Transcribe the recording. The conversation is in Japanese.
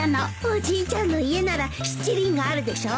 おじいちゃんの家なら七輪があるでしょ。